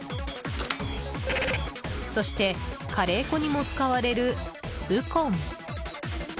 そして、カレー粉にも使われるウコン。